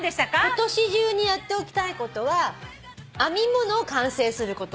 今年中にやっておきたいことは編み物を完成すること。